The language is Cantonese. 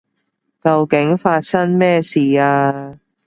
究竟發生咩事啊？